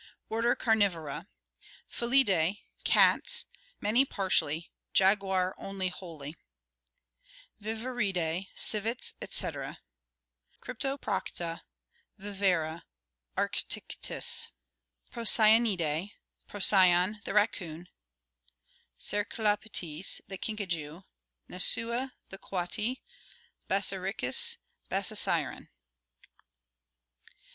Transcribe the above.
Order Carnivora. Feiidae, cats: many partially, jaguar only wholly. Viverridae, civets, etc.: Cryptoprocta, Viverra, Arctictis. Procyonidae: Procyon, the racoon; Cercoleptesf the kinkajou; Nasua, the coati; Bassariscus, Bassaricyon.